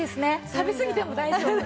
食べすぎても大丈夫！